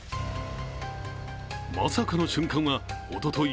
まさかの瞬間は、おととい